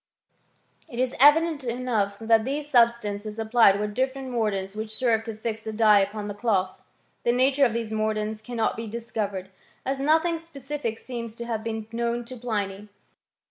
"* It is evident enough that these substances applied were different mordants which served to fix the dye upon the cloth ; the nature of these mordants cannot be discovered, as nothing specific seems to have been known to Pliny.